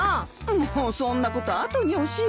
もうそんなこと後におしよ。